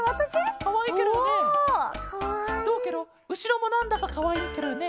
うしろもなんだかかわいいケロよね。